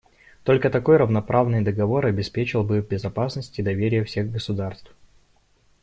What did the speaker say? Только такой равноправный договор обеспечил бы безопасность и доверие всех государств.